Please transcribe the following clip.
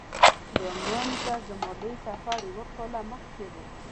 باميان ته زما لومړی سفر اووه کاله مخکې و.